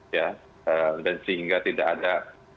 ya dan sehingga tidak ada